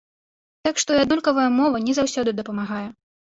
Так што і аднолькавая мова не заўсёды дапамагае.